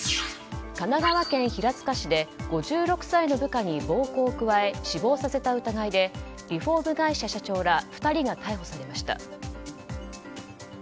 神奈川県平塚市で５６歳の部下に暴行を加え死亡させた疑いでリフォーム会社社長ら２人が逮捕されました。